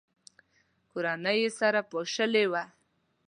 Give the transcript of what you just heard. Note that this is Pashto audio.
کورنۍ یې سره پاشلې وه.